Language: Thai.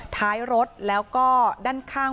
ท้ายรถแล้วก็ด้านข้าง